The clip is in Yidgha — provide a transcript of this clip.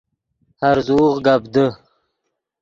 ہرزوغ گپ دے